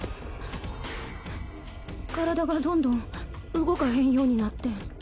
体がどんどん動かへんようになってん。